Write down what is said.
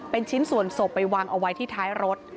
เป็นชิ้นส่วนศพไปวางเอาไว้ที่ท้ายรถ